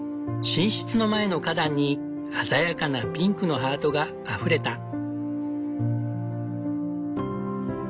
寝室の前の花壇に鮮やかなピンクのハートがあふれた。